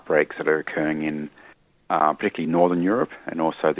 dan juga di amerika